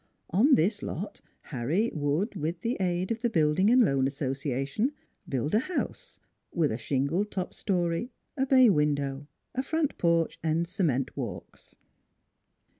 On this lot Harry would with the aid of the Build ing and Loan Association build a house, with a shingled top story, a bay window, a front porch, and cement walks.